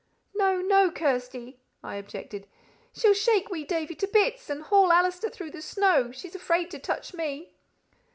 "No, no, Kirsty!" I objected. "She'll shake wee Davie to bits, and haul Allister through the snow. She's afraid to touch me."